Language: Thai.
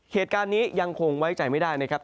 เหตุการณ์นี้ยังคงไว้ใจไม่ได้นะครับ